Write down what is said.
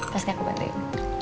pasti aku bantuin